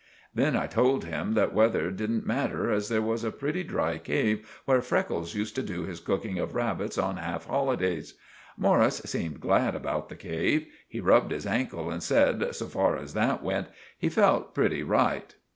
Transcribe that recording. Then I told him that wether didn't matter as there was a pretty dry cave where Freckles used to do his cooking of rabbits on half holidays. Morris seemed glad about the cave. He rubbed his ankle and said, so far as that went, he fealt pretty right.